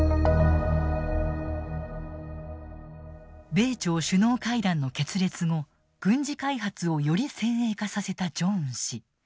米朝首脳会談の決裂後軍事開発をより先鋭化させたジョンウン氏。